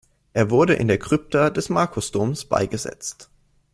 Er wurde in der Krypta des Markusdoms beigesetzt.